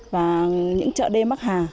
và những chợ đêm bắc hà